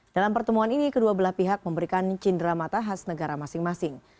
dalam pertemuan ini kedua belah pihak memberikan cindera mata khas negara masing masing